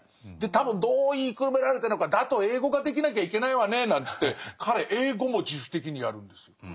で多分どう言いくるめられたのか「だと英語ができなきゃいけないわね」なんていって彼英語も自主的にやるんですよ。